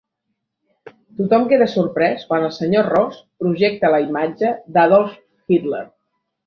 Tothom queda sorprès quan el Sr. Ross projecta la imatge d'Adolf Hitler.